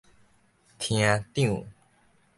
廳長